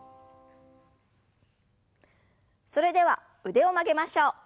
それでは腕を曲げましょう。